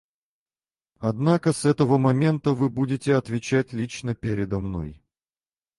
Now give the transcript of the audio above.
Однако с этого момента вы будете отвечать лично передо мной.